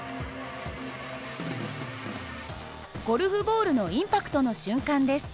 ゴルフボールのインパクトの瞬間です。